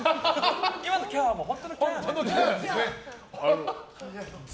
今のキャーは本当のキャー。